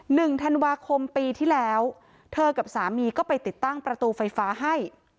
หนึ่งธันวาคมปีที่แล้วเธอกับสามีก็ไปติดตั้งประตูไฟฟ้าให้